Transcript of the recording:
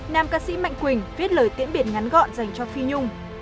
nam ca sĩ mạnh quỳnh viết lời tiễn biệt ngắn gọn dành cho phi nhung